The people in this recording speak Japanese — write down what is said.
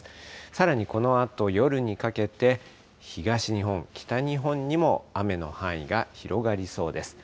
さらにこのあと夜にかけて、東日本、北日本にも雨の範囲が広がりそうです。